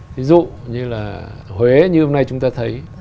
ví dụ như là huế như hôm nay chúng ta thấy